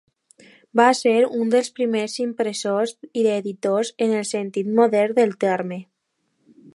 Va ser un dels primers impressors i editors en el sentit modern del terme.